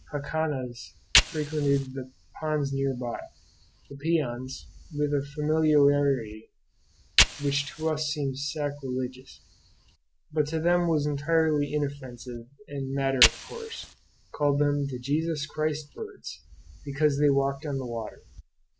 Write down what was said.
Jacanas frequented the ponds near by; the peons, with a familiarity which to us seems sacrilegious, but to them was entirely inoffensive and matter of course, called them "the Jesus Christ birds," because they walked on the water.